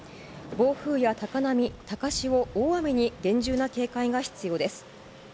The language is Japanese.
暴風や高波、高潮、大雨に厳重な警戒が必要です。